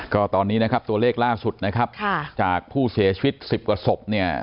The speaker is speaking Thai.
ก็ตอนนี้นะครับตัวเลขล่าสุดนะครับจากผู้เสียชีวิต๑๐กว่าศพเนี่ย